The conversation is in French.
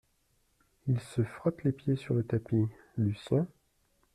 Il se frotte les pieds sur le tapis Lucien .